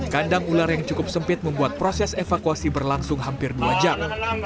kandang ular yang cukup sempit membuat proses evakuasi berlangsung hampir dua jam